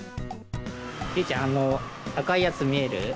ゆいちゃんあの赤いやつ見える？